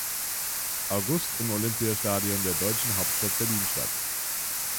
August im Olympiastadion der deutschen Hauptstadt Berlin statt.